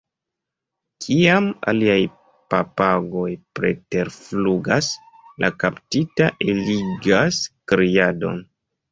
Kiam aliaj papagoj preterflugas, la kaptita eligas kriadon.